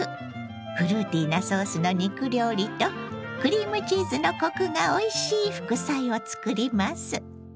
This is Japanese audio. フルーティーなソースの肉料理とクリームチーズのコクがおいしい副菜を作ります。